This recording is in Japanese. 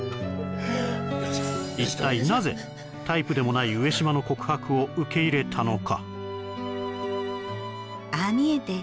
一体なぜタイプでもない上島の告白を受け入れたのか？